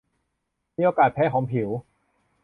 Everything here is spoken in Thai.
มีโอกาสแพ้ของผิว